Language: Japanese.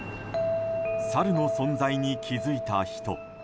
サルの存在に気づいた人。